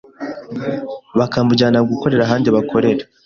bakamujyana gukorera ahandi bakorera